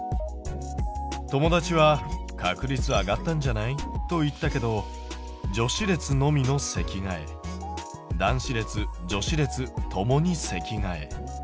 友達は「確率上がったんじゃない？」と言ったけど女子列のみの席替え男子列・女子列共に席替え。